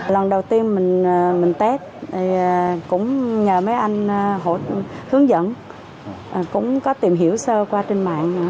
lần đầu tiên mình test cũng nhờ mấy anh hướng dẫn cũng có tìm hiểu sơ qua trên mạng